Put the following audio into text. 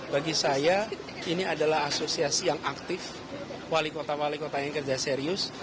bagi saya ini adalah asosiasi yang aktif wali kota wali kota yang kerja serius